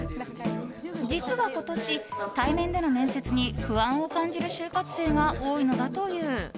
実は今年、対面での面接に不安を感じる就活生が多いのだという。